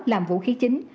làm vũ khí chính